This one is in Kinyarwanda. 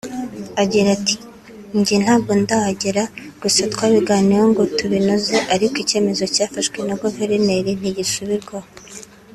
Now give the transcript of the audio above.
Agira ati “Njye ntabwo ndahagera gusa twabiganiyeho ngo tubinoze ariko icyemezo cyafashwe na Guverioneri ntigisubirwaho